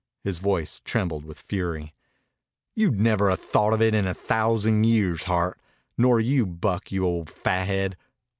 His voice trembled with fury. "You'd never a thought of it in a thousand years, Hart. Nor you, Buck, you old fathead.